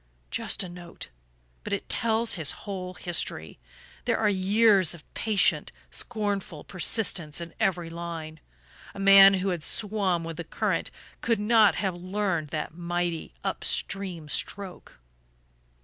Just a note! But it tells his whole history. There are years of patient scornful persistence in every line. A man who had swum with the current could never have learned that mighty up stream stroke....